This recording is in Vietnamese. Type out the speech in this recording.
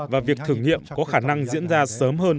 và việc thử nghiệm có khả năng diễn ra sớm hơn